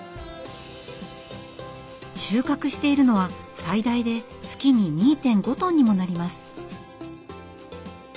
収穫しているのは最大で月に２．５トンにもなります。